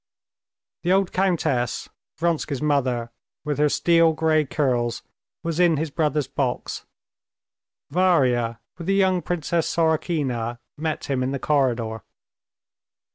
The old countess, Vronsky's mother, with her steel gray curls, was in his brother's box. Varya with the young Princess Sorokina met him in the corridor.